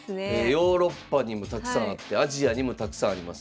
ヨーロッパにもたくさんあってアジアにもたくさんあります。